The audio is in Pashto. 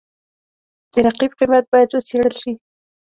د رقیب قیمت باید وڅېړل شي.